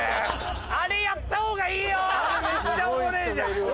あれやったほうがいいよ。